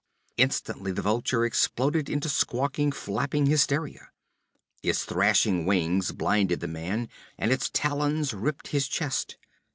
Instantly the vulture exploded into squawking, flapping hysteria. Its thrashing wings blinded the man, and its talons ripped his chest.